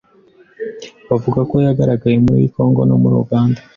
bavuga ko yagaragaye muri Kongo no muri Uganda.